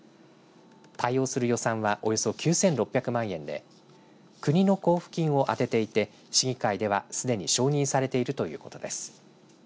対応する予算はおよそ９６００万円で国の交付金を充てていて市議会では、すでに承認されているということです。